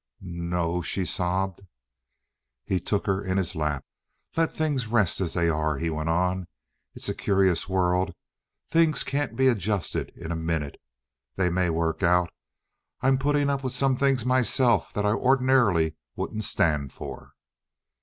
"No o o!" she sobbed. He took her in his lap. "Let things rest as they are," he went on. "It's a curious world. Things can't be adjusted in a minute. They may work out. I'm putting up with some things myself that I ordinarily wouldn't stand for."